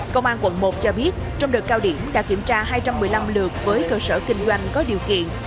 công an quận một cho biết trong đợt cao điểm đã kiểm tra hai trăm một mươi năm lượt với cơ sở kinh doanh có điều kiện